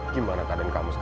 plastik yang bersih